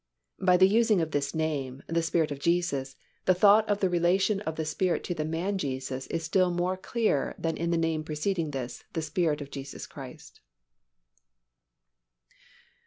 By the using of this name, "The Spirit of Jesus" the thought of the relation of the Spirit to the Man Jesus is still more clear than in the name preceding this, the Spirit of Jesus Christ.